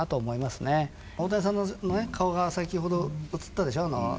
大谷さんのね顔が先ほど映ったでしょ？